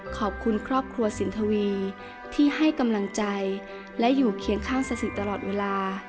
ขอบคุณครอบครัวสินทวีที่ให้กำลังใจและอยู่เคียงข้างสถิตตลอดเวลา